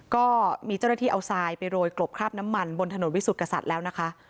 ก็มีเจ้าหน้าที่เอาทรายไปโรยกลบคราบน้ำมันบนถนนวิสุทธิกษัตริย์แล้วนะคะ